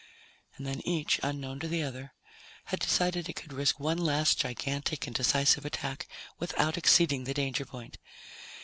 And then each, unknown to the other, had decided it could risk one last gigantic and decisive attack without exceeding the danger point.